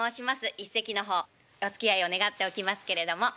一席の方おつきあいを願っておきますけれども。